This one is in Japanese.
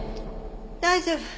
大丈夫。